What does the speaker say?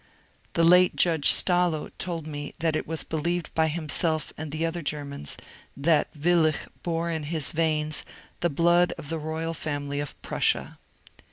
The late Judge Stallo told me that it was believed by himself and other Germans that Willich bore in his veins the blood of the royal family of Pmssia.